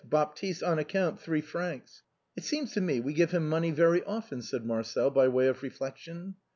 Baptiste, on account, 3 fr.' It seems to me we give him money very often," said Marcel, by way of re flection.